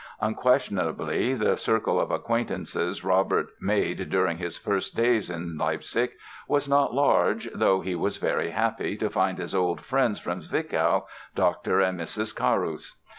Unquestionably the circle of acquaintances Robert made during his first days in Leipzig was not large, though he was very happy to find his old friends from Zwickau, Dr. and Mrs. Carus.